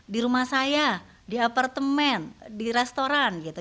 di rumah saya di apartemen di restoran gitu